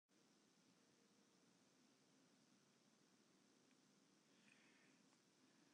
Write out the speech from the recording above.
Wy hjitte dy graach wolkom op ús wyklikse repetysjejûn op woansdei.